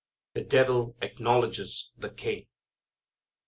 The Devil Acknowledges the King.